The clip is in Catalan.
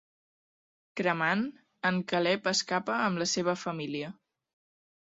Cremant, en Caleb escapa amb la seva família.